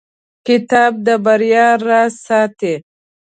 کتاب د بریا راز ساتي.